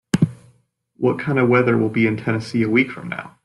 What kind of weather will be in Tennessee a week from now ?